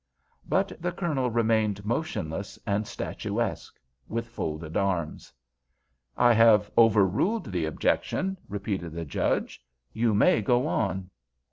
But the Colonel remained motionless and statuesque, with folded arms. "I have overruled the objection," repeated the Judge; "you may go on."